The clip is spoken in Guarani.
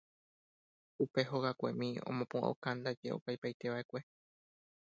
Upe hogakuemi omopu'ãukándaje okaipaitéva'ekue.